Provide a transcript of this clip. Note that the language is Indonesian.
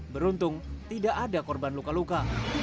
beruntung tidak ada korban luka luka